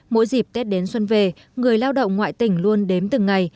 mỗi dịp tết đến xuân về người lao động ngoại tỉnh luôn đếm từng ngày